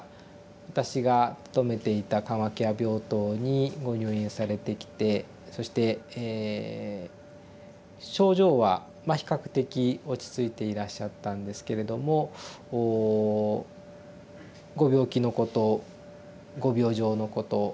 私が勤めていた緩和ケア病棟にご入院されてきてそして症状はまあ比較的落ち着いていらっしゃったんですけれどもご病気のことご病状のことをしっかりと頭で理解して理解されていて。